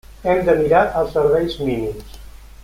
Hem de mirar els serveis mínims.